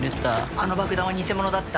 あの爆弾は偽物だった。